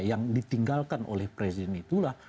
yang ditinggalkan oleh presiden itulah